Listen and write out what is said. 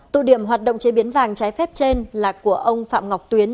tụ điểm hoạt động chế biến vàng trái phép trên là của ông phạm ngọc tuyến